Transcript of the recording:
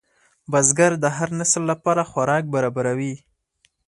بزګر د هر نسل لپاره خوراک برابروي